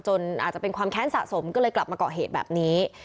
อาจจะเป็นความแค้นสะสมก็เลยกลับมาเกาะเหตุแบบนี้